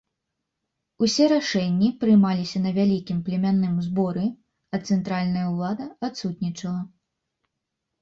Усе рашэнні прымаліся на вялікім племянным зборы, а цэнтральная ўлада адсутнічала.